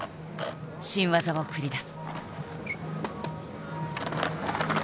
新技を繰り出す。